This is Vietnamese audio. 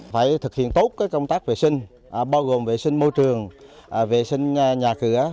phải thực hiện tốt công tác vệ sinh bao gồm vệ sinh môi trường vệ sinh nhà cửa